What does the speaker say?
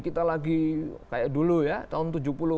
kita lagi kayak dulu ya tahun tujuh puluh tiga tujuh puluh dua